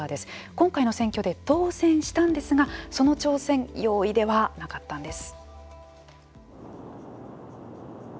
今回の選挙で当選したんですがその挑戦容易ではなかったんです。